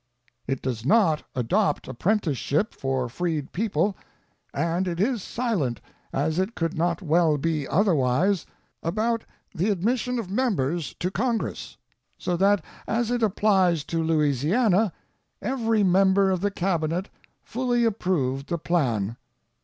It does not adopt apprenticeship for freed people; and it is silent, as it could not well be otherwise, about the admission of members to Congress. So that, as it applies to Louisiana, every member of the Cabinet fully approved the plan.